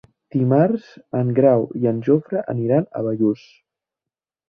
Dimarts en Grau i en Jofre aniran a Bellús.